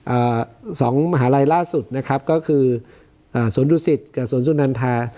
อ่าสองมหาลัยล่าสุดนะครับก็คืออ่าสวนดุสิตกับสวนสุนันทา